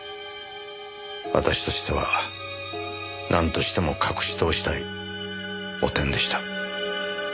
私としてはなんとしても隠し通したい汚点でした。